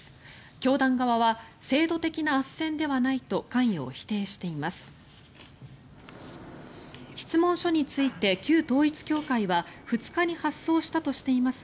教団側は制度的なあっせんではないと関与を否定しています。